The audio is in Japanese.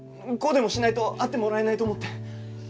こうでもしないと会ってもらえないと思って。